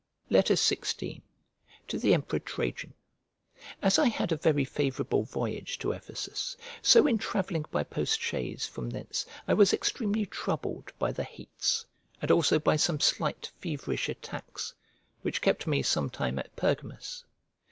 XVI To THE EMPEROR TRAJAN As I had a very favourable voyage to Ephesus, so in travelling by post chaise from thence I was extremely troubled by the heats, and also by some slight feverish attacks, which kept me some time at Pergamus.